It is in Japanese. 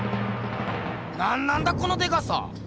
なんなんだこのでかさ！